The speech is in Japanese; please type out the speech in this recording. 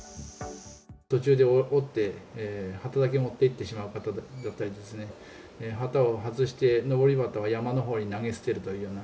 途中で折って、旗だけ持っていってしまう方だったり、旗を外して、のぼり旗を山のほうに投げ捨てるというような。